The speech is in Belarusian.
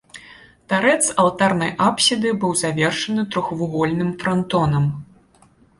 Тарэц алтарнай апсіды быў завершаны трохвугольным франтонам.